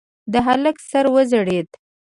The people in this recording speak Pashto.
د هلک سر وځړېد.